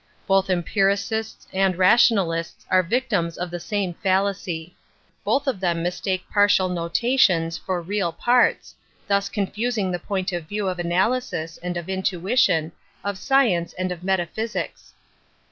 Both empiricists and rationalists are victims of I the same fallacy. Both of them mistake partial notations for real parts, thus con fusing the point of view of analysis and of intuition, of science and of metaphysics.